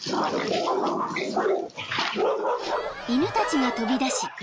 ・［犬たちが飛び出し威嚇］